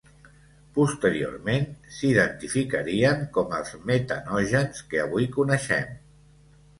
Posteriorment s'identificarien com els metanògens que avui coneixem.